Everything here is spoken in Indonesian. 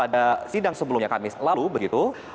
pada sidang sebelumnya kamis lalu begitu